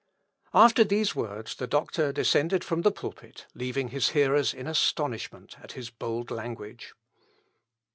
After these words, the doctor descended from the pulpit, leaving his hearers in astonishment at his bold language.